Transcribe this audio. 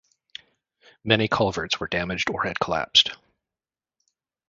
Many culverts were damaged or had collapsed.